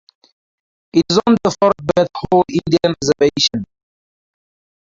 It is on the Fort Berthold Indian Reservation.